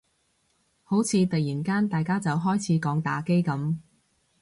好似突然間大家就開始講打機噉